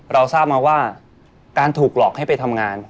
เราทราบมาว่าการถูกหลอกให้ไปทำงาน